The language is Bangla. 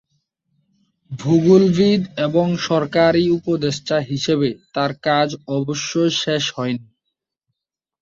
ভূগোলবিদ এবং সরকারী উপদেষ্টা হিসাবে তাঁর কাজ অবশ্য শেষ হয়নি।